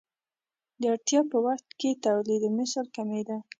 د اړتیا په وخت کې تولیدمثل کمېده.